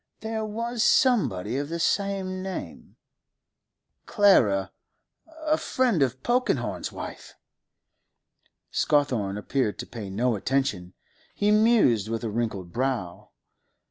There was somebody of the same name—Clara—a friend of Polkenhorne's wife.' Scawthorne appeared to pay no attention; he mused with a wrinkled brow.